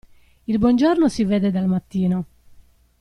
Il buon giorno si vede dal mattino.